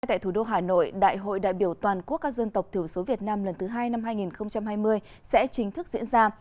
tại thủ đô hà nội đại hội đại biểu toàn quốc các dân tộc thiểu số việt nam lần thứ hai năm hai nghìn hai mươi sẽ chính thức diễn ra